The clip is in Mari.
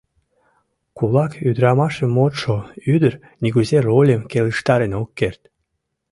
Кулак ӱдырамашым модшо ӱдыр нигузе рольым келыштарен ок керт.